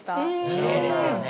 きれいですよね！